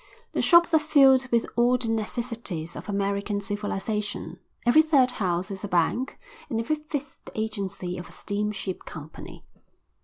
The shops are filled with all the necessities of American civilisation. Every third house is a bank and every fifth the agency of a steamship company.